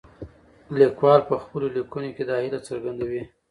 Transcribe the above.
لیکوال په خپلو لیکنو کې دا هیله څرګندوي.